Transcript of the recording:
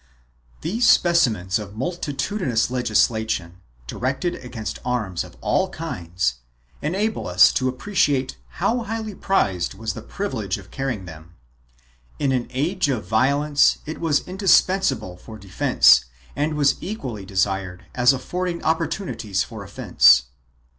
1 These specimens of multitudinous legislation, directed against arms of all kinds, enable us to appreciate how highly prized was the privilege of carrying them. In an age of violence it was indispensable for defence and was equally desired as affording opportunities for offence.